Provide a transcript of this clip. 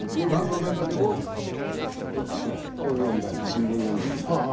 「読む」の中でも「読書」本読んだり新聞読んだり。